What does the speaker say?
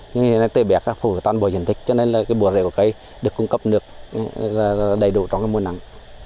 nhưng tưới bẹt phù hợp toàn bộ diện tích cho nên là cái bộ rầy của cây được cung cấp nước đầy đủ trong mùa nắng